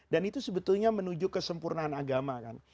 dan itu sebetulnya menuju kesempurnaan agama kan